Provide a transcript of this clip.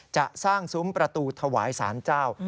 จะสร้างซุ้มประตูถวายสารเจ้า